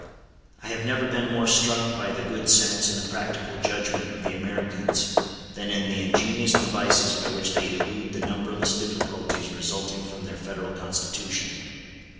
I have never been more struck by the good sense and the practical judgment of the Americans than in the ingenious devices by which they elude the numberless difficulties resulting from their Federal Constitution.